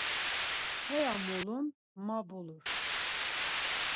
Heya mulun, ma bulur.